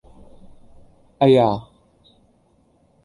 哎呀!